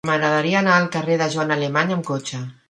M'agradaria anar al carrer de Joana Alemany amb cotxe.